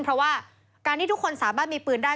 เพราะว่าการที่ทุกคนสามารถมีปืนได้